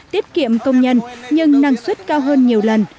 tiết kiệm công nhân nhưng năng suất cao hơn nhiều lần